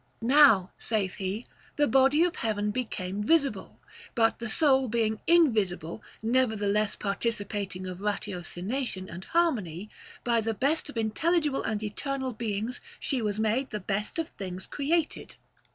" Now," saith he, " the body of heaven became visible ; but the soul being invisible, nevertheless participating of ratiocination and harmony, by the best of intelligible and eternal beings she was made the best of things created."